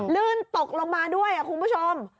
ลื่นตกลงมาด้วยคุณผู้ชม